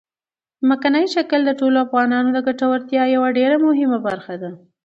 ځمکنی شکل د ټولو افغانانو د ګټورتیا یوه ډېره مهمه برخه ده.